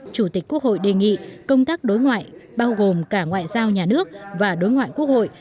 chủ tịch quốc hội đề nghị công tác đối ngoại bao gồm cả ngoại giao nhà nước và đối ngoại quốc hội